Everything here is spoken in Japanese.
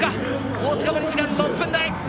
大塚も２時間６分台。